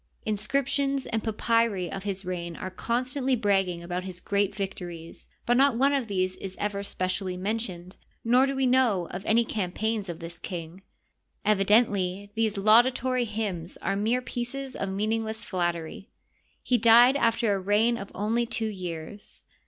Inscriptions and papyri of his reign are constantly bragging about his great vic tories, but not one of these is ever specially mentioned, nor do we know of any campaigns of tnis king. Evident ly these laudatory hymns are mere pieces of meaningless fiatteiy. He died after a reign of only two years.